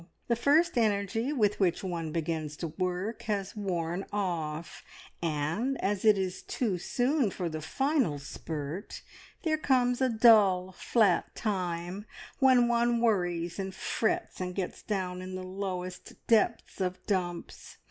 The first energy with which one begins work has worn off, and as it is too soon for the final spurt, there comes a dull, flat time, when one worries and frets and gets down in the lowest depths of dumps.